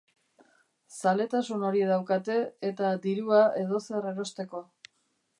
Zaletasun hori daukate, eta dirua edozer erosteko.